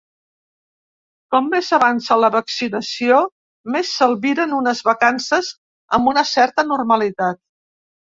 Com més avança la vaccinació, més s’albiren unes vacances amb una certa normalitat.